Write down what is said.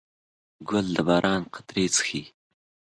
ګل د باران قطرې څښي.